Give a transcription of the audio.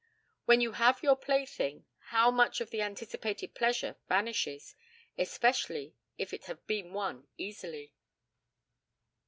When you have your plaything how much of the anticipated pleasure vanishes, especially if it have been won easily!